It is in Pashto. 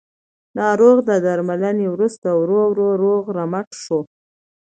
ناروغ د درملنې وروسته ورو ورو روغ رمټ شو